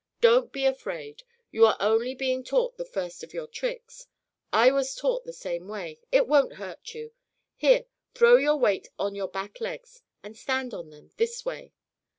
"Don't be afraid. You are only being taught the first of your tricks. I was taught the same way. It won't hurt you. Here, throw your weight on your back legs, and stand on them this way."